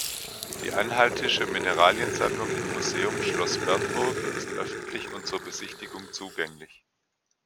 Die Anhaltische Mineraliensammlung im Museum Schloss Bernburg ist öffentlich und zur Besichtigung zugänglich.